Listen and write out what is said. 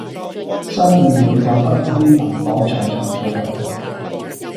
相遇了又不知能否長長久久